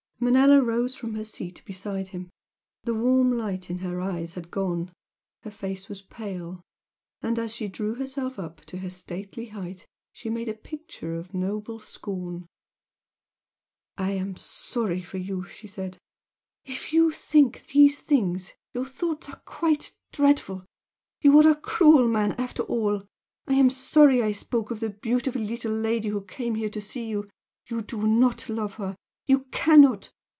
Manella rose from her seat beside him. The warm light in her eyes had gone her face was pale, and as she drew herself up to her stately height she made a picture of noble scorn. "I am sorry for you!" she said. "If you think these things your thoughts are quite dreadful! You are a cruel man after all! I am sorry I spoke of the beautiful little lady who came here to see you you do not love her you cannot!